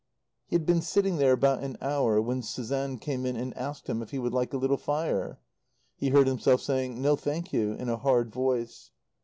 He had been sitting there about an hour when Suzanne came in and asked him if he would like a little fire. He heard himself saying, "No, thank you," in a hard voice.